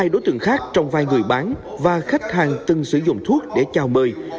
hai mươi đối tượng khác trong vai người bán và khách hàng từng sử dụng thuốc để chào mời